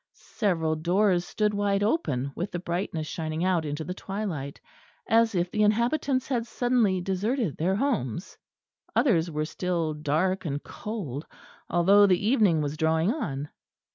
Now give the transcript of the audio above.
Several doors stood wide open with the brightness shining out into the twilight, as if the inhabitants had suddenly deserted their homes. Others were still dark and cold, although the evening was drawing on.